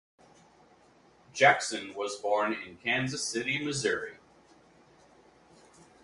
Jackson was born in Kansas City, Missouri.